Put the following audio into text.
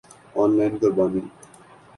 on line قربانی